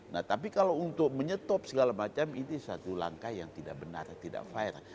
nah tapi kalau untuk menyetop segala macam ini satu langkah yang tidak benar atau tidak fair